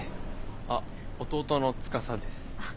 あ弟の司です。